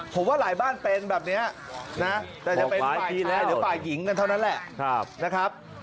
ผมว่าหลายบ้านเป็นแบบนี้นะแต่จะเป็นฝ่ายหรือฝ่ายหญิงกันเท่านั้นแหละนะครับ